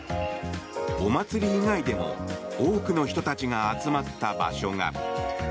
お祭り以外でも多くの人たちが集まった場所が。